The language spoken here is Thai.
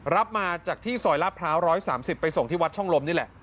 รับมาจากที่ซอยลาดพร้าว๑๓๐ไปส่งที่วัดช่องลมนี่แหละ